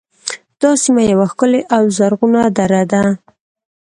دا سیمه یوه ښکلې او زرغونه دره ده